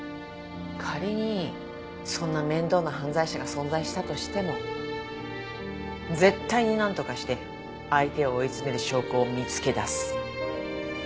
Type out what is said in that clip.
仮にそんな面倒な犯罪者が存在したとしても絶対になんとかして相手を追い詰める証拠を見つけ出す。